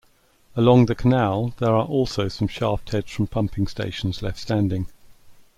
Along the canal there are also some shaft heads from pumping stations left standing.